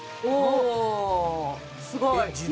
おすごい！